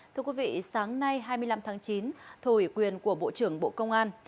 thưa quý vị sáng nay hai mươi năm tháng chín thủ ủy quyền của bộ trưởng bộ công an